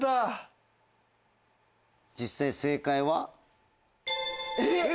実際正解は？え！